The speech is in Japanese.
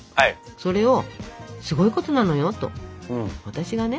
それを「すごいことなのよ」と私がね